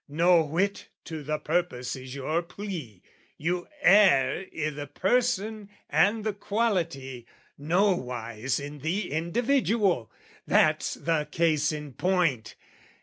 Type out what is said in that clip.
"No whit to the purpose is your plea: you err "I' the person and the quality nowise "In the individual, that's the case in point!